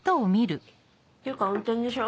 ていうか運転でしょ？